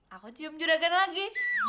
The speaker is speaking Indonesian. aku cium juragan lagi